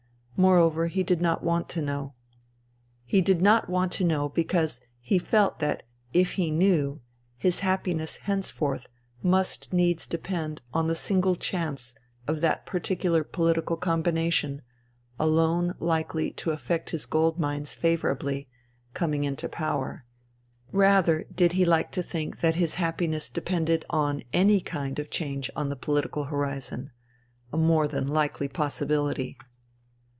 Moreover, he did not want to know. He did not want to know because he felt that if he knew, his happiness henceforth must needs depend on the single chance of that particular political combination, alone likely to affect his gold mines favourably, coming into power ; rather did he like 202 FUTILITY to think that his happiness depended on any hind of change on the pohtical horizon — a more than Hkely possibihty.